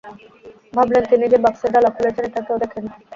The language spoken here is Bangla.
ভাবলেন, তিনি যে বাক্সের ডালা খুলেছেন, এটা কেউ দেখেনি।